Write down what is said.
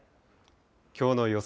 きょうの予想